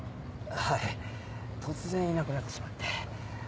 はい突然いなくなってしまって。